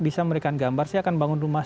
bisa memberikan gambar saya akan bangun rumah